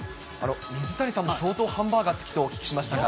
水谷さんも相当、ハンバーガー好きとお聞きしましたが。